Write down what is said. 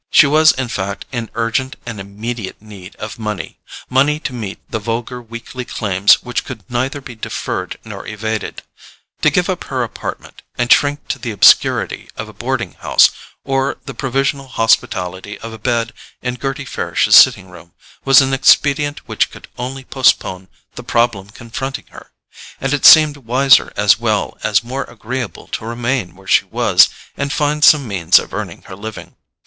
She was in fact in urgent and immediate need of money: money to meet the vulgar weekly claims which could neither be deferred nor evaded. To give up her apartment, and shrink to the obscurity of a boarding house, or the provisional hospitality of a bed in Gerty Farish's sitting room, was an expedient which could only postpone the problem confronting her; and it seemed wiser as well as more agreeable to remain where she was and find some means of earning her living.